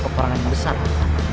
ada peperangan yang besar raden